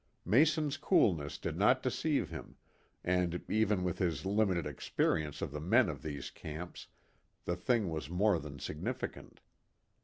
Mason's coolness did not deceive him, and, even with his limited experience of the men of these camps, the thing was more than significant.